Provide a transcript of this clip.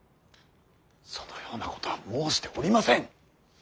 そのようなことは申しておりません。